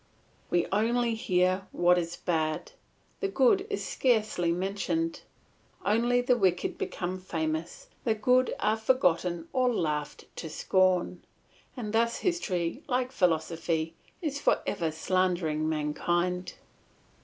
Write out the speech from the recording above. We only hear what is bad; the good is scarcely mentioned. Only the wicked become famous, the good are forgotten or laughed to scorn, and thus history, like philosophy, is for ever slandering mankind.